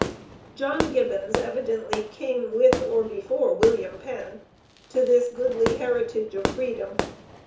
John Gibbons evidently came with or before William Penn to this "goodly heritage of freedom."